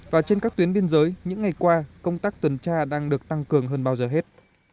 và trên các tuyến biên giới những ngày qua công tác tuần tra đang được tăng cường hơn bao giờ hết